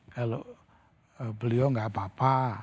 kalau beliau nggak apa apa